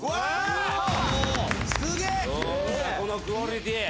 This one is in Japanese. このクオリティー。